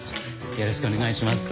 よろしくお願いします。